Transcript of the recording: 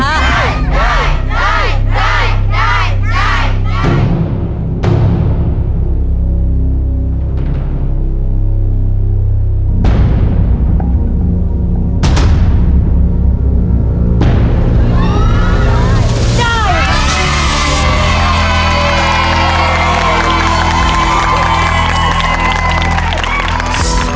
จ้าว